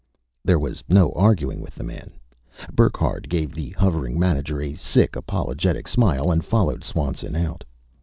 There was no arguing with the man. Burckhardt gave the hovering manager a sick, apologetic smile and followed Swanson out.